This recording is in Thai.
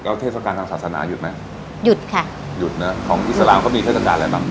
แล้วเทศกาลทางศาสนาหยุดไหมหยุดค่ะหยุดนะของอิสลามเขามีเทศกาลอะไรบ้าง